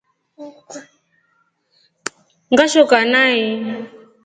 Ngashoka nai.